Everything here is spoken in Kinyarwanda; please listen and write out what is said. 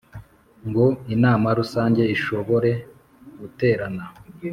ngo Inama Rusange ishobore guterana